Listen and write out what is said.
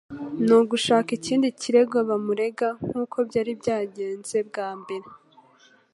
no gushaka ikindi kirego bamurega. Nkuko byari byagenze bwa mbere